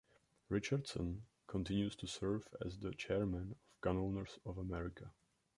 Richardson continues to serve as the chairman of Gun Owners of America.